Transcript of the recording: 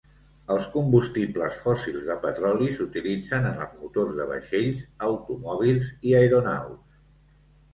Els combustibles fòssils de petroli s'utilitzen en els motors de vaixells, automòbils i aeronaus.